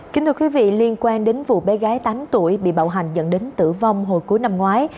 kính thưa quý vị liên quan đến vụ bé gái tám tuổi bị bạo hành dẫn đến tử vong hồi cuối năm ngoái